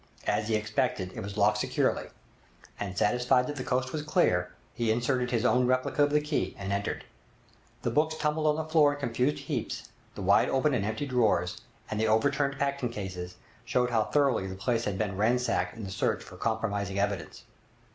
As he expected, it was locked securely, and, satisfied that the coast was clear, he inserted his own replica of the key and entered. The books tumbled on the floor in confused heaps, the wide open and empty drawers, and the overturned packing cases, showed how thoroughly the place had been ransacked in the search for compromising evidence.